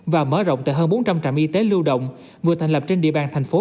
và mở rộng tại hơn bốn trăm linh trạm y tế lưu động vừa thành lập trên địa bàn thành phố